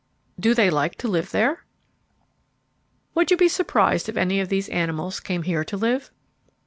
Do they like to live there? Would you be surprised if any of these animals came here to live?